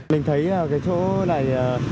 mình thấy là cái chỗ này